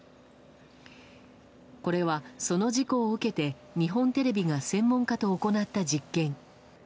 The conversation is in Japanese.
これは、その事故を受けて日本テレビが専門家と行った実験。